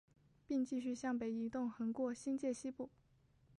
并继续向北移动横过新界西部。